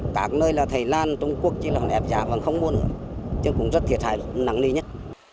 các nơi là thái lan trung quốc chỉ là không ép giá và không muôn nhưng cũng rất thiệt hại nắng lý nhất